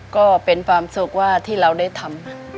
ก็เป็นความสุขว่าที่เราได้ทำ